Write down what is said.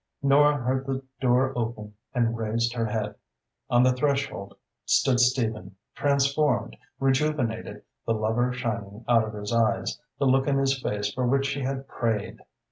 Nora heard the door open and raised her head. On the threshold stood Stephen, transformed, rejuvenated, the lover shining out of his eyes, the look in his face for which she had prayed.